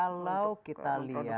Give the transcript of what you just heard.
kalau kita lihat produksi oksigen